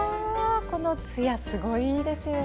このつや、すごいですよね。